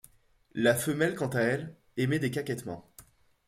La femelle quant à elle, émet des caquètements.